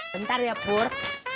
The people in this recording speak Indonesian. bentar ya pur